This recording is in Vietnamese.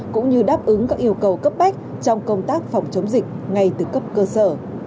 cũng như đáp ứng các yêu cầu cấp bách trong công tác phòng chống dịch ngay từ cấp cơ sở